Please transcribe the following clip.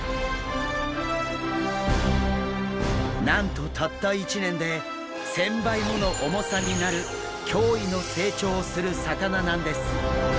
なんとたった１年で１０００倍もの重さになる驚異の成長をする魚なんです！